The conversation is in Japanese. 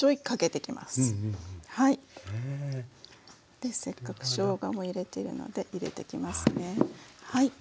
でせっかくしょうがも入れてるので入れてきますね。